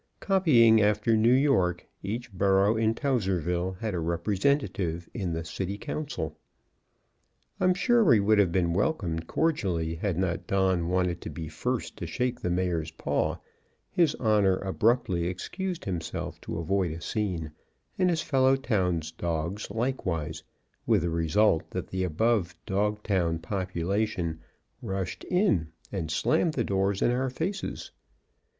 Copying after New York, each burrow in Towserville had a representative in the City Council. I'm sure we would have been welcomed cordially, had not Don wanted to be first to shake the Mayor's paw; his honor abruptly excused himself to avoid a scene, and his fellow townsdogs likewise, with the result that the above dogtown population rushed in and slammed the doors in our faces.